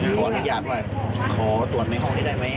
ขออนุญาตว่าขอตรวจในห้องนี้ได้ไหม